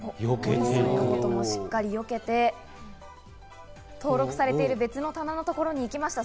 森さんのことも避けて、登録されている、別の棚のところに行きました。